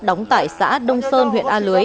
đóng tại xã đông sơn huyện a lưới